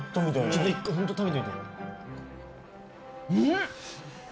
ちょっと一回ホント食べてみて。